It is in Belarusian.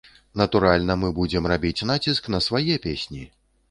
Натуральна, мы будзем рабіць націск на свае песні.